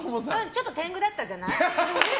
ちょっと天狗だったじゃない？